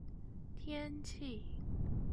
天气